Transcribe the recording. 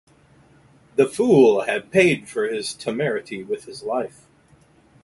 The fool had paid for his temerity with his life.